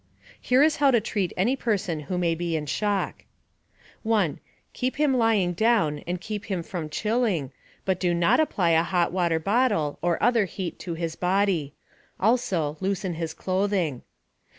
Here is how to treat any person who may be in shock: 1. Keep him lying down and keep him from chilling, but do not apply a hot water bottle or other heat to his body. Also, loosen his clothing.